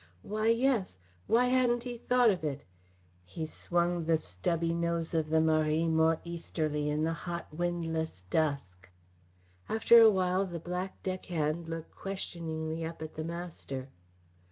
Why, yes! Why hadn't he thought of it? He swung the stubby nose of the Marie more easterly in the hot, windless dusk. After a while the black deckhand looked questioningly up at the master.